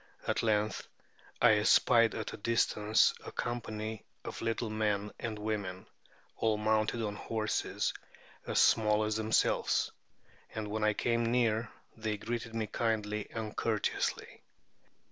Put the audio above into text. At length I espied at a distance a company of little men and women,[A] all mounted on horses as small as themselves; and when I came near, they greeted me kindly and courteously.